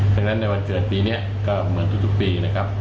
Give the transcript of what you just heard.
ฉะนั้นในวันเกิดปีนี้ก็เหมือนทุกปีนะครับ